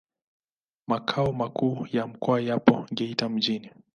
Makao makuu ya mkoa yapo Geita mjini.